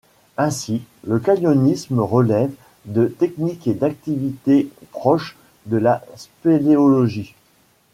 Ainsi, le canyonisme relève de techniques et d'activités proches de la spéléologie.